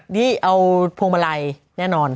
นี่เอาพวงมาลัยแน่นอน